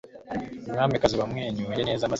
Umwamikazi yamwenyuye neza maze avuga